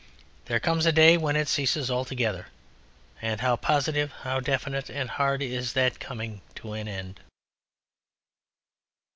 There comes a day when it ceases altogether and how positive, how definite and hard is that Coming to an End.